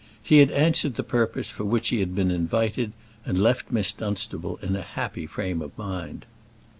He had answered the purpose for which he had been invited, and left Miss Dunstable in a happy frame of mind.